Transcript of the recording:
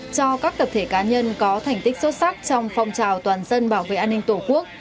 cho các tập thể cá nhân có thành tích xuất sắc trong phong trào toàn dân bảo vệ an ninh tổ quốc